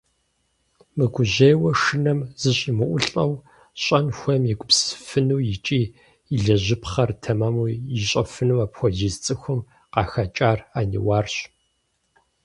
Мыгужьейуэ, шынэм зэщӀимыӀулӀэу, щӀэн хуейм егупсысыфыну икӀи илэжьыпхъэр тэмэму ищӀэфыну апхуэдиз цӀыхум къахэкӀар Ӏэниуарщ.